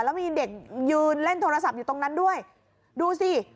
แล้วมีเด็กยืนเล่นโทรศัพท์อยู่ตรงนั้นด้วยดูสิ